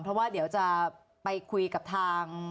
เพราะว่าเดี๋ยวจะไปคุยกับทาง